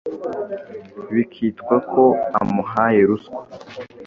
bikitwa ko amuhaye “ruswa”.